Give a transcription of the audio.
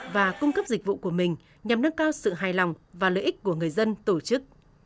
và cung cấp dịch vụ của mình nhằm nâng cao sự hài lòng và lợi ích của người dân tổ chức